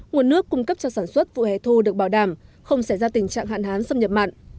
nguồn nước cung cấp cho sản xuất vụ hè thu được bảo đảm không xảy ra tình trạng hạn hán xâm nhập mặn